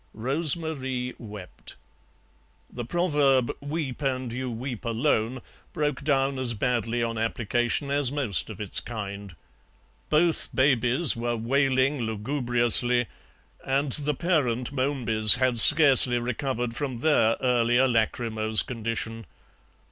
Rose Marie wept. The proverb "Weep and you weep alone," broke down as badly on application as most of its kind. Both babies were wailing lugubriously, and the parent Momebys had scarcely recovered from their earlier lachrymose condition.